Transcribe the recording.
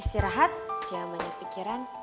istirahat jamannya pikiran